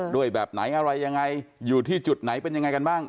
แบบไหนอะไรยังไงอยู่ที่จุดไหนเป็นยังไงกันบ้าง